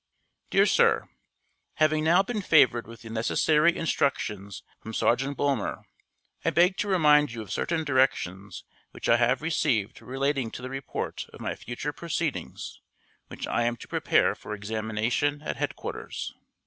DEAR SIR Having now been favored with the necessary instructions from Sergeant Bulmer, I beg to remind you of certain directions which I have received relating to the report of my future proceedings which I am to prepare for examination at headquarters.